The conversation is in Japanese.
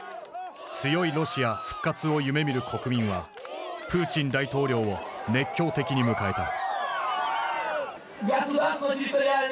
強いロシア復活を夢みる国民はプーチン大統領を熱狂的に迎えた。